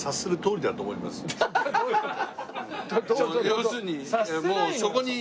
要するに。